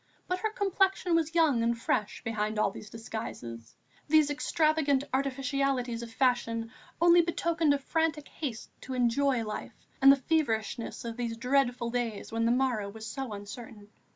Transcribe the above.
But her complexion was young and fresh behind all these disguises; these extravagant artificialities of fashion only betokened a frantic haste to enjoy life and the feverishness of these dreadful days when the morrow was so uncertain.